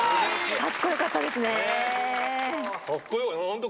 かっこよかったです。